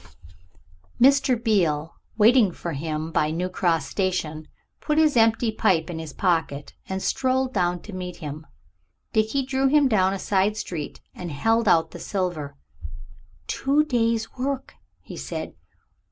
Mr. Beale, waiting for him by New Cross Station, put his empty pipe in his pocket and strolled down to meet him. Dickie drew him down a side street and held out the silver. "Two days' work," he said.